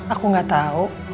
aku gak tau